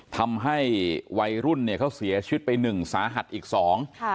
ทำให้วัยรุ่นเนี่ยเขาเสียชีวิตไปหนึ่งสาหัสอีกสองค่ะ